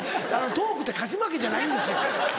トークって勝ち負けじゃないんですよ。